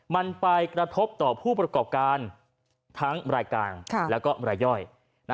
มันไปกระทบต่อผู้ประกอบการทั้งรายการแล้วก็รายย่อย